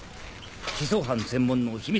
思想犯専門の秘密